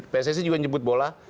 pssc juga menyebut bola